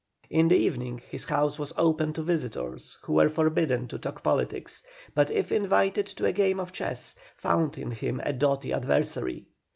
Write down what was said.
In the evening his house was open to visitors, who were forbidden to talk politics, but if invited to a game at chess found him a doughty adversary.